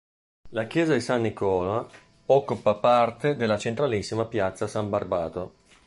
La Chiesa di San Nicola occupa parte della centralissima Piazza San Barbato.